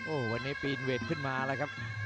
โอ้โหวันนี้ปีนเวทขึ้นมาแล้วครับ